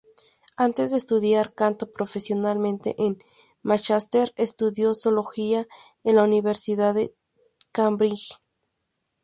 Antes de estudiar canto profesionalmente en Mánchester, estudió zoología en la Universidad de Cambridge.